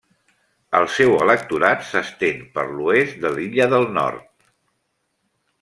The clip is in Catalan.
El seu electorat s'estén per l'oest de l'illa del Nord.